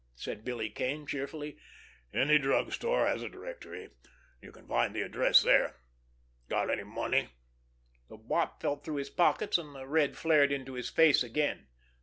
said Billy Kane cheerfully. "Any drug store has a directory. You can find the address there. Got any money?" The Wop felt through his pockets, and the red flared into his face again.